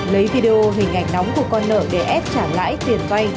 lấy video hình ảnh nóng của con nợ để ép trả lãi tiền vay